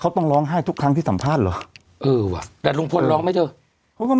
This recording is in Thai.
เออวะแล้วลุงพลร้องไหมเธอ